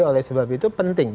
oleh sebab itu penting